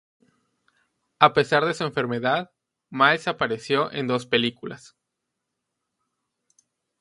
A pesar de su enfermedad, Miles apareció en dos películas.